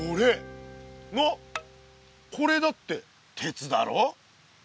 なっこれだって鉄だろ。